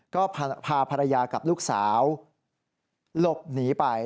ก็พาภรรยากับลูกสาวหลบหนีไป